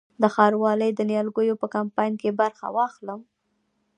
د ښاروالۍ د نیالګیو په کمپاین کې برخه واخلم؟